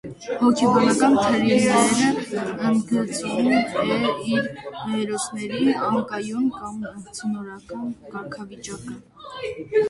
Հոգեբանական թրիլլերը ընդգծում է իր հերոսների անկայուն կամ ցնորական կարգավիճակը։